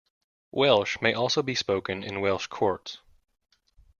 Welsh may also be spoken in Welsh courts.